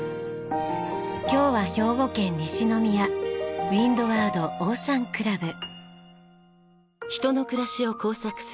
今日は兵庫県西宮ウィンドワードオーシャンクラブ。